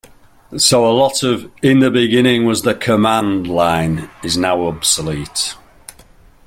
So a lot of "In the Beginning...was the Command Line" is now obsolete.